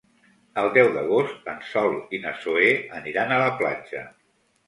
El deu d'agost en Sol i na Zoè aniran a la platja.